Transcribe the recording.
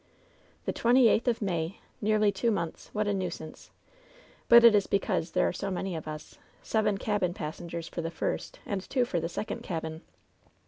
"The twenty eighth of may! Nearly two months! What a nuisance ! But it is because there are so many of us ! Seven cabin passengers for the first, and two for the second cabin